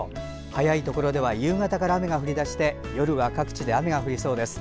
早いところでは夕方から雨が降り出して夜は各地で雨が降りそうです。